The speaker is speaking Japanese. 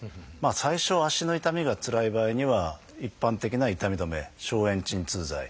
最初足の痛みがつらい場合には一般的な痛み止め消炎鎮痛剤。